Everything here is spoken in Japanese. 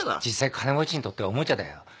実際金持ちにとってはおもちゃだよ。